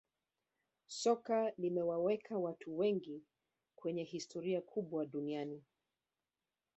soka limewaweka watu wengi kwenye historia kubwa duniani